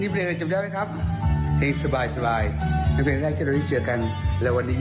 เฮ้ยฟังดีเลยครับแล้วก็ฟังความเกี่ยวกับตอนนี้